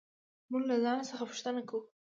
موږ له ځان څخه پوښتنې کوو.